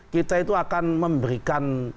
kita itu akan memberikan